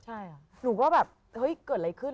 ใช่หนูก็แบบเฮ้ยเกิดอะไรขึ้น